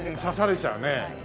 刺されちゃうね。